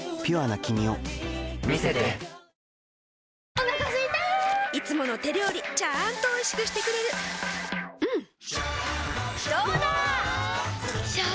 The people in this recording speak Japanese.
お腹すいたいつもの手料理ちゃんとおいしくしてくれるジューうんどうだわ！